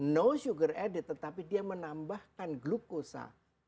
no sugar added tetapi dia menambahkan glukosa